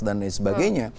dan lain sebagainya